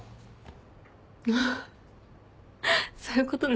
あっそういうことね。